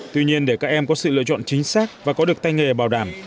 tuy nhiên để các em có sự lựa chọn chính xác và có được tay nghề bảo đảm